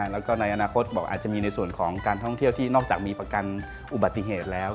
แล้วก็ในอนาคตบอกอาจจะมีในส่วนของการท่องเที่ยวที่นอกจากมีประกันอุบัติเหตุแล้ว